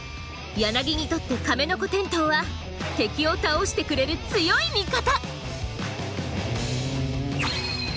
ヤナギにとってカメノコテントウは敵を倒してくれる強い味方！